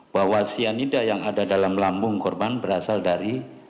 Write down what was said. bahwa cyanida yang ada dalam lambung korban berasal dari